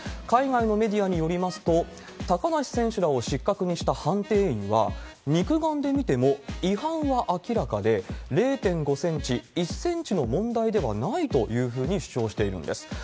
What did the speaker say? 海外のメディアによりますと、高梨選手らを失格にした判定員は、肉眼で見ても違反は明らかで、０．５センチ、１センチの問題ではないというふうに主張しているんです。